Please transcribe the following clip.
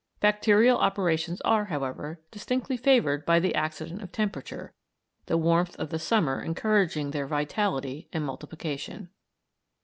Bacterial operations are, however, distinctly favoured by the accident of temperature, the warmth of the summer encouraging their vitality and multiplication.